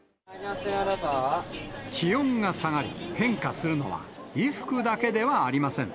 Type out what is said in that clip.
気温が下がり、変化するのは衣服だけではありません。